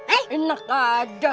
eh enak ada